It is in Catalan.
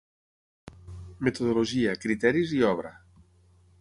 Metodologia, criteris i obra.